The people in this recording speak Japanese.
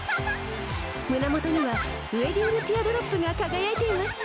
胸もとにはウェディングティアドロップが輝いています。